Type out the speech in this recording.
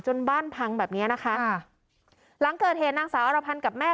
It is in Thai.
บ้านพังแบบเนี้ยนะคะค่ะหลังเกิดเหตุนางสาวอรพันธ์กับแม่